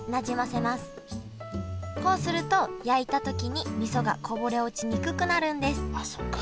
こうすると焼いた時にみそがこぼれ落ちにくくなるんですあっそっか。